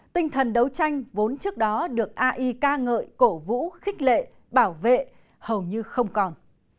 tinh thần đấu tranh vốn trước đó được ai ca ngợi cổ vũ khích lệ bảo vệ hầu như không còn